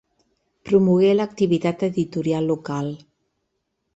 Promogué l'activitat editorial local.